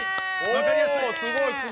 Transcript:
わかりやすい。